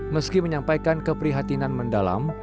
meski menyampaikan keprihatinan mendalam